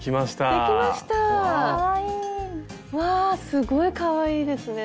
うわすごいかわいいですね。